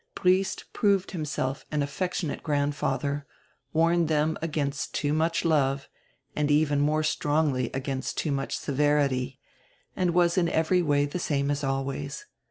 Briest proved himself an affectionate grandfather, warned them against too much love, and even more strongly against too much severity, and was in every way the same as always.